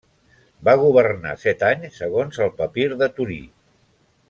Va governar set anys segons el papir de Torí.